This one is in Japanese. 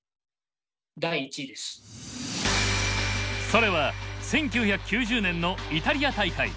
それは１９９０年のイタリア大会。